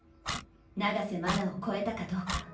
長瀬麻奈を超えたかどうか。